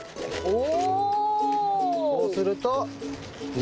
お。